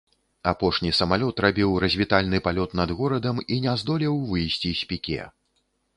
Апошні самалёт рабіў развітальны палёт над горадам і не здолеў выйсці з піке.